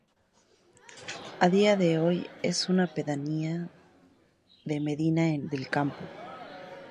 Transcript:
A día de hoy es una pedanía de Medina del Campo.